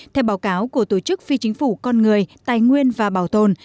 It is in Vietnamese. theo báo cáo của tổ chức phi chính phủ con người tài nguyên và bảo tồn